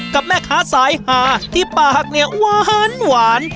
กับแม่ค้าสายหาที่ปากเนี่ยหวาน